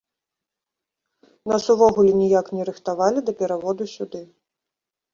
Нас увогуле ніяк не рыхтавалі да пераводу сюды!